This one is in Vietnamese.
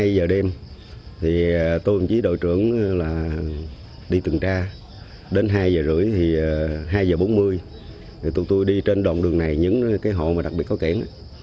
hai giờ đêm tôi với đội trưởng đi tuần tra đến hai giờ rưỡi thì hai giờ bốn mươi thì tụi tôi đi trên đoạn đường này những hộ đặc biệt có kém